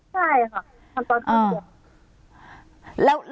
ใช่ค่ะทำตอนเข้าเรียน